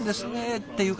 っていうか